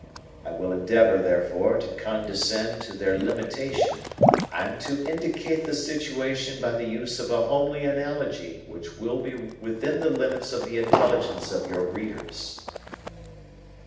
I will endeavour, therefore, to condescend to their limitation and to indicate the situation by the use of a homely analogy which will be within the limits of the intelligence of your readers."